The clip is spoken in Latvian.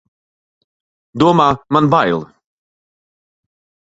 Domā, man bail!